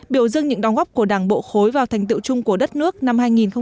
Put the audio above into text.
biểu dưng những đóng góp của đảng bộ khối vào thành tựu chung của đất nước năm hai nghìn một mươi chín